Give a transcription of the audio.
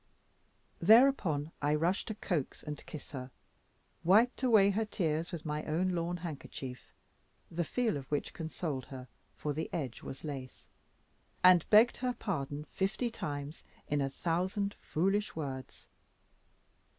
Thereupon I rushed to coax and kiss her, wiped away her tears with my own lawn handkerchief the feel of which consoled her, for the edge was lace and begged her pardon fifty times in a thousand foolish words.